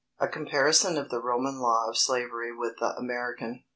A COMPARISON OF THE ROMAN LAW OF SLAVERY WITH THE AMERICAN.